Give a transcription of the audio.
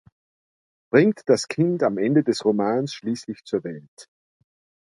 Bringt das Kind am Ende des Romans schließlich zur Welt.